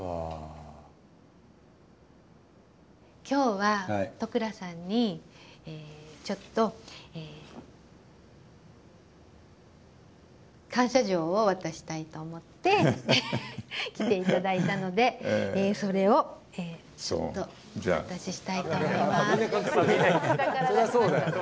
今日は都倉さんにちょっと感謝状を渡したいと思って来て頂いたのでそれをちょっとお渡ししたいと思います。